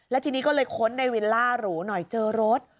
แล้วทีนี้ก็เลยค้นในวิลล่าหรูหน่อยเจอรถ